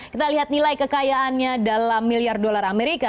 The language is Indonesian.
kita lihat nilai kekayaannya dalam miliar dolar amerika